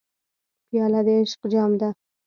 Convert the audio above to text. پیاله د عشق جام ده.